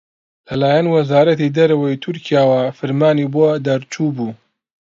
لەلایەن وەزارەتی دەرەوەی تورکیاوە فرمانی بۆ دەرچووبوو